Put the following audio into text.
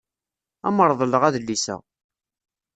Ad am-reḍleɣ adlis-a.